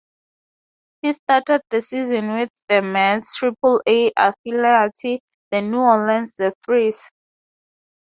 He started the season with the Mets Triple-A affiliate, the New Orleans Zephyrs.